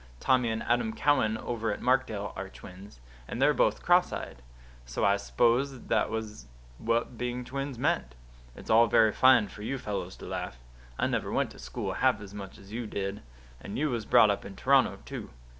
Tommy and Adam Cowan, over at Markdale, are twins; and they're both cross eyed. So I s'posed that was what being twins meant. It's all very fine for you fellows to laugh. I never went to school half as much as you did; and you was brought up in Toronto, too.